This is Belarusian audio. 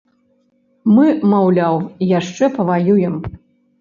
Мы, маўляў, яшчэ паваюем.